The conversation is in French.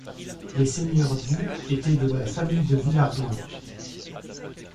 Les seigneurs du étaient de la famille de Villehardouin.